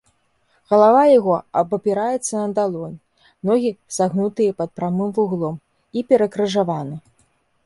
Галава яго абапіраецца на далонь, ногі сагнутыя пад прамым вуглом і перакрыжаваны.